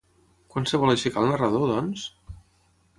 Quan es vol aixecar el narrador, doncs?